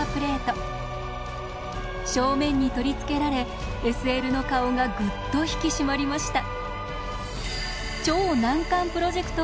正面に取りつけられＳＬの顔がぐっと引き締まりました。